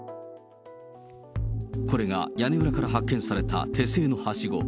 これが屋根裏から発見された手製のはしご。